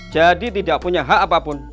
jadi tidak punya hak apapun